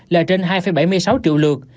là trên hai bảy mươi sáu triệu lượt